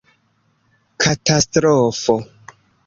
Katastrofo!